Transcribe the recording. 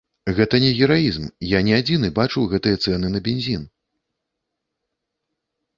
Гэта не гераізм, я не адзіны бачыў гэтыя цэны на бензін.